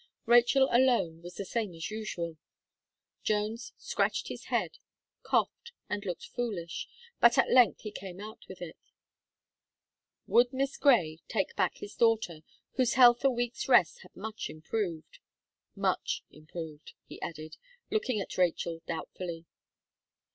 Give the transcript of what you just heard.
Rachel alone was the same as usual. Jones scratched his head, coughed, and looked foolish; but at length he came out with it: "Would Miss Gray take back his daughter, whose health a week's rest had much improved much improved," he added, looking at Rachel doubtfully.